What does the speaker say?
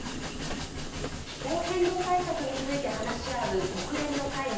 気候変動対策について話し合う国連の会議